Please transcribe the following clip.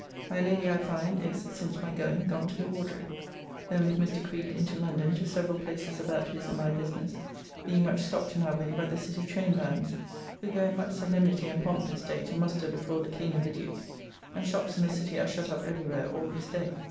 My Lady, I find, is, since my going, gone to the Wardrobe. Then with Mr. Creed into London, to several places about his and my business, being much stopped in our way by the City traynebands, who go in much solemnity and pomp this day to muster before the King and the Duke, and shops in the City are shut up every where all this day.